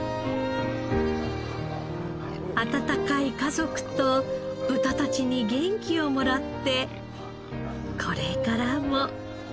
温かい家族と豚たちに元気をもらってこれからも。